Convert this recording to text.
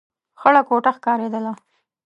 خړه کوټه ښکارېدله.